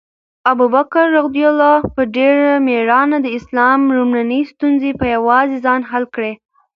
ابوبکر رض په ډېره مېړانه د اسلام لومړنۍ ستونزې په یوازې ځان حل کړې.